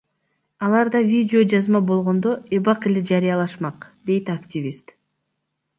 Аларда видео жазма болгондо, эбак эле жарыялашмак, — дейт активист.